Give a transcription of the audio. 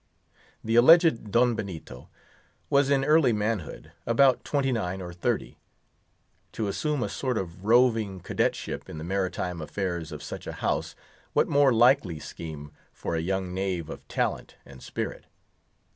The alleged Don Benito was in early manhood, about twenty nine or thirty. To assume a sort of roving cadetship in the maritime affairs of such a house, what more likely scheme for a young knave of talent and spirit?